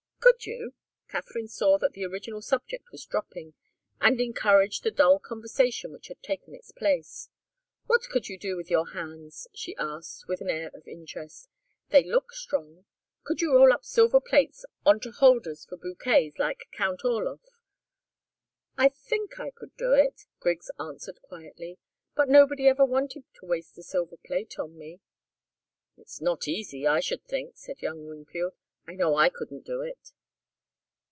"Could you?" Katharine saw that the original subject was dropping, and encouraged the dull conversation which had taken its place. "What could you do with your hands?" she asked, with an air of interest. "They look strong. Could you roll up silver plates into holders for bouquets, like Count Orloff?" "I think I could do it," Griggs answered, quietly. "But nobody ever wanted to waste a silver plate on me." "It's not easy, I should think," said young Wingfield. "I know I couldn't do it."